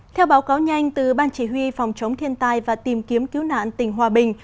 theo báo cáo nhanh từ ban chỉ huy phòng chống thiên tai và tìm kiếm cứu nạn tỉnh hòa bình